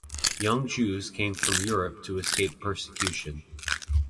Young Jews came from Europe to escape persecution.